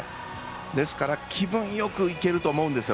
ですから気分よくいけると思うんです。